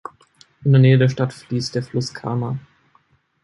In der Nähe der Stadt fließt der Fluss Kama.